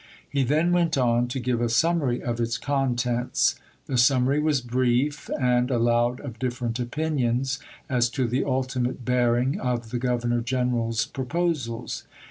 He then went on to give a summary of its contents. The summary was brief, and allowed of different opinions as to the ultimate bearing of the Governor General's proposals.